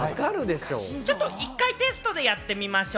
ちょっと一回テストでやってみましょう！